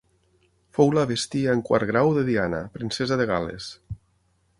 Fou la bestia en quart grau de Diana, princesa de Gal·les.